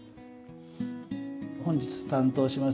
本日、担当します